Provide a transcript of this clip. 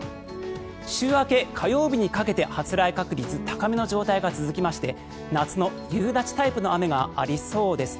週明け、火曜日にかけて発雷確率高めの状態が続きまして夏の夕立タイプの雨がありそうです。